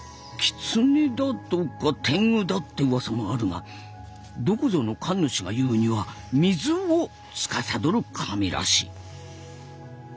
狐だとか天狗だってうわさもあるがどこぞの神主が言うには「水」をつかさどる神らしい。